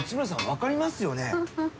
分かりますよね？